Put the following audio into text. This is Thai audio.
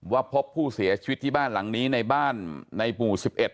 ว่าพบผู้เสียชีวิตที่บ้านหลังนี้ในบ้านในปู่สิบเอ็ด